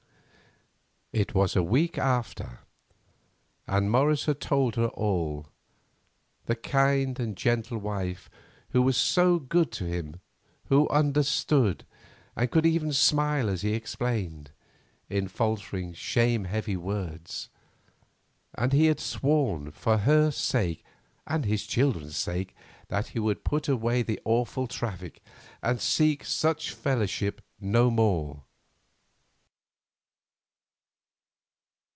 It was a week after, and Morris had told her all, the kind and gentle wife who was so good to him, who understood and could even smile as he explained, in faltering, shame heavy words. And he had sworn for her sake and his children's sake, that he would put away this awful traffic, and seek such fellowship no more.